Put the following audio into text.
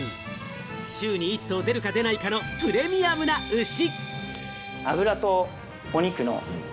週に１頭出るか出ないかの、プレミアムな牛。